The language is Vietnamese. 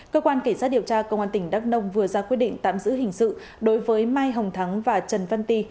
cơ quan cảnh sát điều tra công an tỉnh đắk nông vừa ra quyết định tạm giữ hình sự đối với mai hồng thắng và trần văn ti